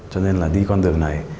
cho nên là đi con đường này